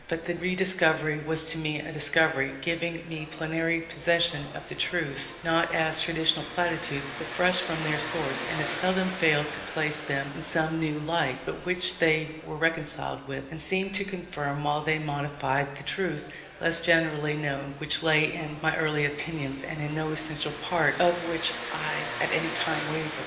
But the rediscovery was to me a discovery, giving me plenary possession of the truths, not as traditional platitudes, but fresh from their source; and it seldom failed to place them in some new light, by which they were reconciled with, and seemed to confirm while they modified, the truths less generally known which lay in my early opinions, and in no essential part of which I at any time wavered.